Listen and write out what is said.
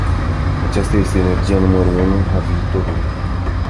Aceasta este energia numărul unu a viitorului.